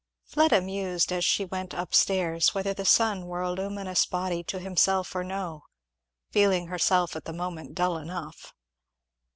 Fleda mused as she went up stairs whether the sun were a luminous body to himself or no, feeling herself at that moment dull enough.